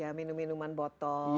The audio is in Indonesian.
dan minum minuman botol kemasan itu